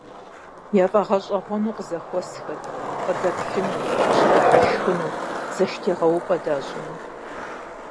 ЯфӀэгъэщӀэгъуэну къызэхуэсхэрт, къыдэплъыну, къытщыдыхьэшхыну, зэштегъэупӀэ дащӀыну.